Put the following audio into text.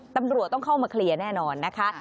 ตำรวจต้องเข้ามาเคลียร์แน่นอนนะคะ